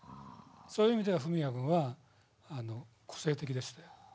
そういう意味ではフミヤ君は個性的でしたね。